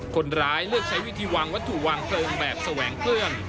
คนร้ายเลือกใช้วิธีวางวัตถุวางเพลิงแบบแสวงเครื่อง